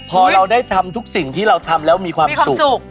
พอเราได้ทำทุกสิ่งที่เราทำแล้วมีความสุข